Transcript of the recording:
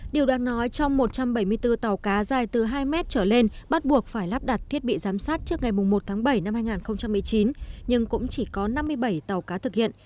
điều đoán nói trong một trăm bảy mươi bốn tàu cá dài từ hai mét trở lên bắt buộc phải lắp đặt thiết bị giám sát trước ngày một tháng bảy năm hai nghìn một mươi chín nhưng cũng chỉ có năm mươi bảy tàu cá thực hiện